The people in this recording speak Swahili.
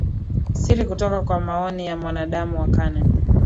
siri kutoka kwa maoni ya mwanadamu kwa karne